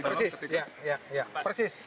persis ya ya ya persis